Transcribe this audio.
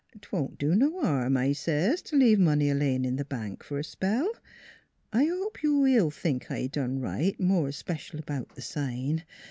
'Twont do no harm, I says, to leave money a laying in the bank for a spell. I hope you will think I done right, more especial about the sign.